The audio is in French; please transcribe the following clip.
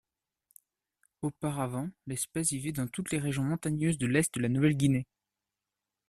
Auparavant, l'espèce vivait dans toutes les régions montagneuses de l'est de la Nouvelle-Guinée.